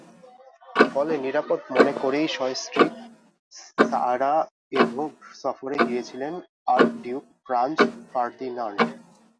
ফলে নিরাপদ মনে করেই সস্ত্রীক সারায়েভো সফরে গিয়েছিলেন আর্কডিউক ফ্রাঞ্জ ফার্ডিনান্ড।